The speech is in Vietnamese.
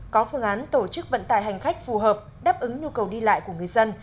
có phương án tổ chức vận tải hành khách phù hợp đáp ứng nhu cầu đi lại của người dân